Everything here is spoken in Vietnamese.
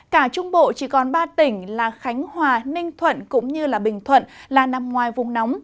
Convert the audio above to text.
cả trung bộ chỉ còn ba tỉnh là khánh hòa ninh thuận cũng như bình thuận là nằm ngoài vùng nóng